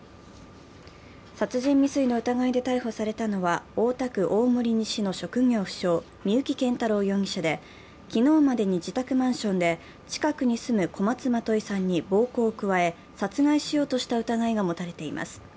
殺人未遂の疑いで逮捕されたのは大田区大森西の職業不詳三幸謙太郎容疑者で、昨日までに自宅マンションで近くに住む小松まといさんに暴行を加え殺害しようとした疑いが持たれています。